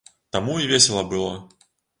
Таму і весела было.